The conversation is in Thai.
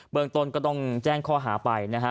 เมืองต้นก็ต้องแจ้งข้อหาไปนะฮะ